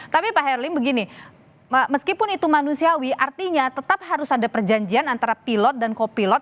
tapi pak herlim begini meskipun itu manusiawi artinya tetap harus ada perjanjian antara pilot dan kopilot